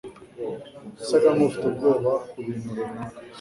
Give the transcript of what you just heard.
yasaga nkufite ubwoba kubintu runaka.